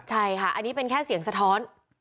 ใช่ค่ะอันนี้เป็นแค่เสียงสะท้อน